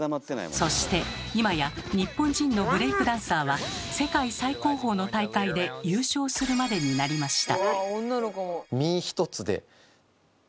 そして今や日本人のブレイクダンサーは世界最高峰の大会で優勝するまでになりました。